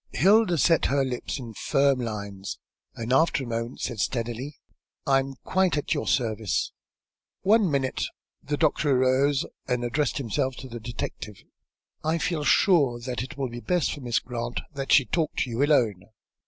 Hilda set her lips in firm lines, and after a moment said steadily "I am quite at your service." "One minute." The doctor arose and addressed himself to the detective. "I feel sure that it will be best for Miss Grant that she talk with you alone.